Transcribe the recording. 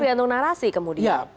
bukan tergantung narasi kemudian